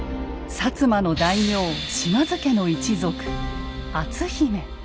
薩摩の大名島津家の一族篤姫。